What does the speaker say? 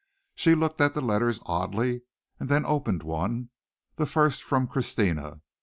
She looked at the letters oddly and then opened one the first from Christina.